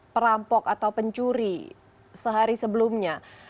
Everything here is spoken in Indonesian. perampok atau pencuri sehari sebelumnya